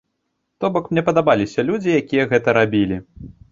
То бок мне падабаліся людзі, якія гэта рабілі.